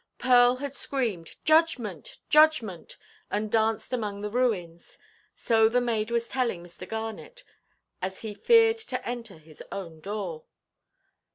Pearl had screamed "Judgment, judgment!" and danced among the ruins; so the maid was telling Mr. Garnet, as he feared to enter his own door.